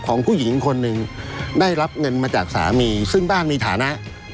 ผู้หญิงคนหนึ่งได้รับเงินมาจากสามีซึ่งบ้านมีฐานะ